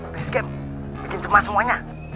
base camp bikin cema semuanya